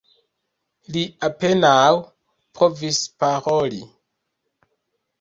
Li apenaŭ povis paroli.